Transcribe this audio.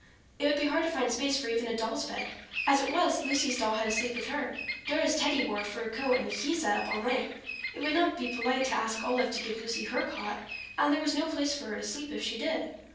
It would be hard to find space for even a doll's bed. As it was, Lucy's doll had to sleep with her. Dora's Teddy wore a fur coat and he sat up all night. It would not be polite to ask Olive to give Lucy her cot, and there was no place for her to sleep if she did.